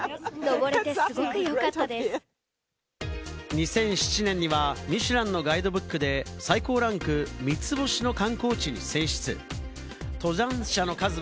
２００７年には、『ミシュラン』のガイドブックで、最高ランク・三つ星の観光地に選出。